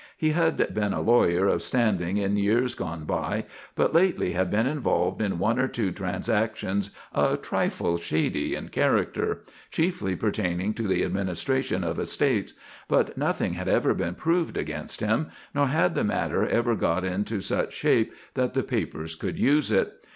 He had been a lawyer of standing in years gone by, but lately had been involved in one or two transactions a trifle "shady" in character, chiefly pertaining to the administration of estates; but nothing had ever been proved against him nor had the matter ever got into such shape that the papers could use it.